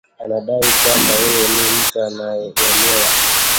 anadai kwamba yeye ni mtu anayeelewa